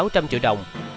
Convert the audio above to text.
sáu trăm linh triệu đồng